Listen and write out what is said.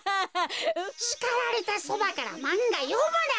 しかられたそばからまんがよむな。